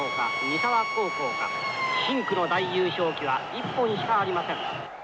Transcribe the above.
深紅の大優勝旗は一本しかありません。